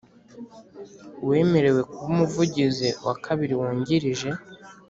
Uwemerewe kuba Umuvugizi wa Kabiri Wungirije